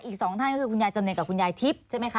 อีกสองท่านก็คือคุณยายจำเน็ตกับคุณยายทิพย์ใช่ไหมคะ